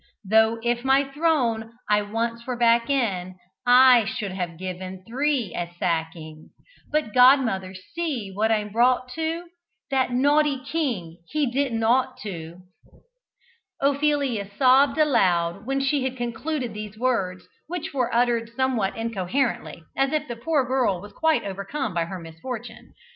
Tho' if my throne I once were back in I should have given three a "sacking" But, godmother, see what I'm brought to! That naughty king! he didn't ought to!" Ophelia sobbed aloud when she had concluded these words, which were uttered somewhat incoherently, as if the poor girl was quite overcome by her misfortune.